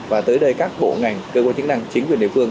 và tới đây các bộ ngành cơ quan chức năng chính quyền địa phương